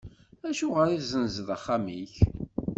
Acuɣer tezzenzeḍ axxam-ik?